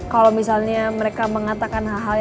kalau misalnya mereka mengatakan hal hal